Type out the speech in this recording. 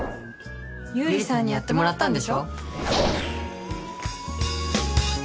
ゆうりさんにやってもらったんでしょ？